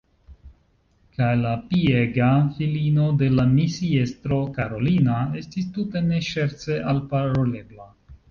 Kaj la piega filino de la misiestro, Karolina, estis tute ne ŝerce alparolebla.